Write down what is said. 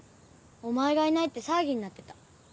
お前がいないって騒ぎになってた。